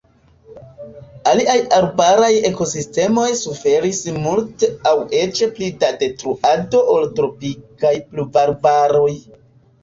Aliaj arbaraj ekosistemoj suferis multe aŭ eĉ pli da detruado ol tropikaj pluvarbaroj.